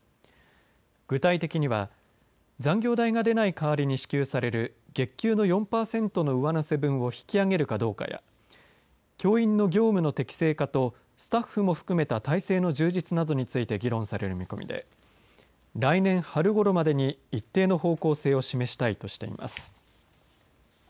具体的には残業代が出ない代わりに支給される月給の４パーセントの上乗せ分を引き上げるかどうかや教員の業務の適正化とスタッフも含めた体制の充実などについて議論される見込みで来年春ごろまでに一定の方向性を示したいとしています。